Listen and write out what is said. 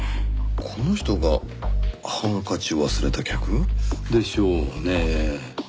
この人がハンカチを忘れた客？でしょうねぇ。